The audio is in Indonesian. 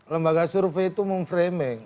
lembaga survei itu meng framing